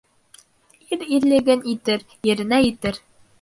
Ир ирлеген итер, еренә етер.